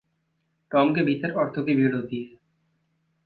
Tom के भीतर औरतों की भीड़ होती है।